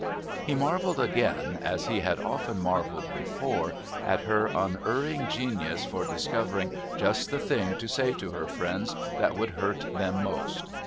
He marvelled again, as he had often marvelled before, at her unerring genius for discovering just the thing to say to her friends that would hurt them most.